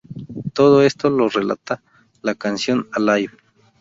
Todo esto lo relata la canción "Alive".